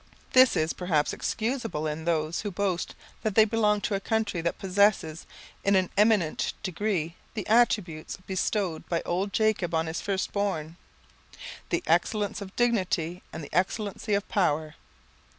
This is perhaps excusable in those who boast that they belong to a country that possesses, in an eminent degree, the attributes bestowed by old Jacob on his first born, "the excellency of dignity, and the excellency of power."